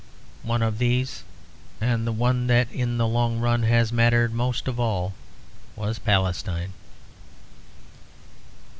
One of these, and the one that in the long run has mattered most of all, was Palestine.